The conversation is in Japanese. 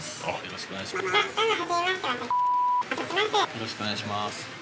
よろしくお願いします。